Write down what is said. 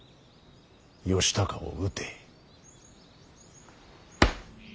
義高を討て。